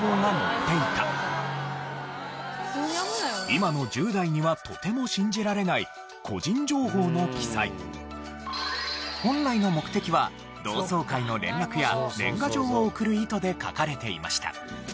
今の１０代にはとても信じられない本来の目的は同窓会の連絡や年賀状を送る意図で書かれていました。